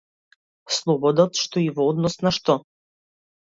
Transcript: Слобода од што и во однос на што?